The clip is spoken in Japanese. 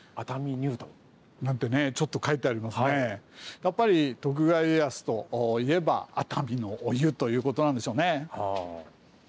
やっぱり徳川家康といえば熱海のお湯ということなんでしょうね。